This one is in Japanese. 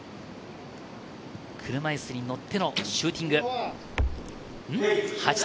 車いすに乗ってのシューティング、８点。